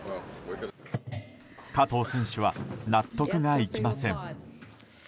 加藤選手は納得がいきません。